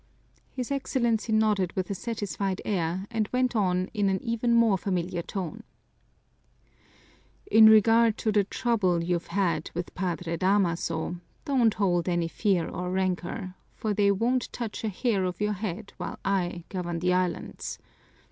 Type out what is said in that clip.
His Excellency nodded with a satisfied air and went on in an even more familiar tone: "In regard to the trouble you're had with Padre Damaso, don't hold any fear or rancor, for they won't touch a hair of your head while I govern the islands.